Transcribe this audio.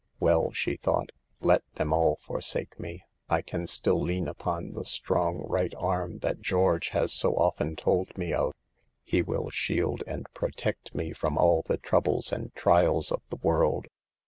" Well," she thought, "let them all forsake me, I can still lean upon the strong right arm that George has so often told me of. He will shield and protect me from all the troubles and trials of the world.